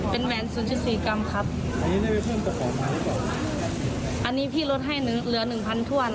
เป็นแวน๐๑๔กรัมครับอันนี้พี่รถให้เหลือ๑๐๐๐ถ้วน